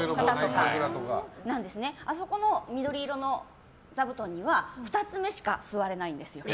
あの緑色の座布団には二ツ目しか座れないんですよ。